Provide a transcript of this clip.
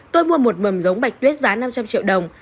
tôi mua một mầm giống bạch tuyết giá năm trăm linh triệu đồng